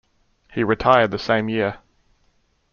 He retired the same year.